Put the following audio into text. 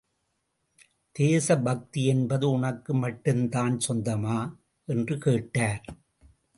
தேச பக்தி என்பது உனக்கு மட்டும்தான் சொந்தமா? என்று கேட்டார்.